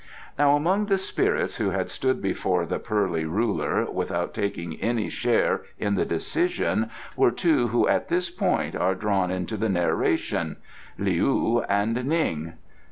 Now among the spirits who had stood before the Pearly Ruler without taking any share in the decision were two who at this point are drawn into the narration, Leou and Ning.